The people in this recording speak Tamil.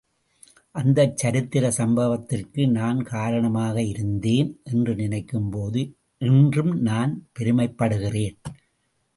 அந்தச் சரித்திர சம்பவத்திற்கு நான் காரணமாக இருந்தேன் என்று நினைக்கும்போது இன்றும் நான் பெருமைப்படுகிறேன்.